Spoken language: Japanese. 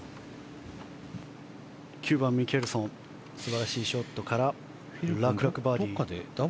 ９番、ミケルソン素晴らしいショットから楽々バーディー。